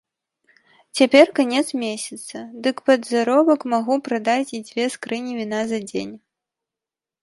Цяпер канец месяца, дык пад заробак магу прадаць і дзве скрыні віна за дзень.